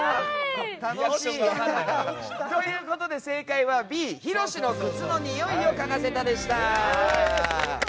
楽しい！ということで正解はＢのひろしの靴のにおいをかがせたでした。